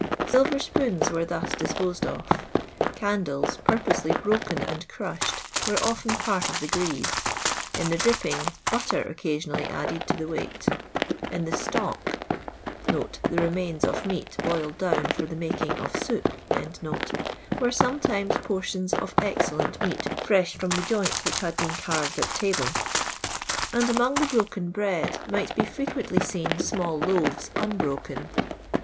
Silver spoons were thus disposed of. Candles, purposely broken and crushed, were often )tart of the grease; in the dripping, butter occasionally added to the weight ; in the " stock " (the remains of meat boiled down for the making of soup) were some times portions of excellent meat fresh from the joints which had been carved at table; and among the broken bread, might be frequently seen small loayes, unbroken.